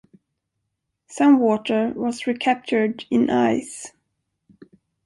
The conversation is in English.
Some water was recaptured in ice.